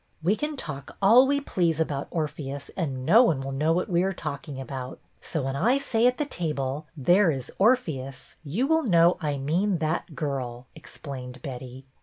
"We can talk all we please about Orpheus and no one will know what we are talking about. So when I say at the table, ' There is Orpheus,' you will know I mean that girl," explained Betty.